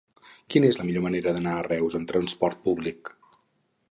Quina és la millor manera d'anar a Reus amb trasport públic?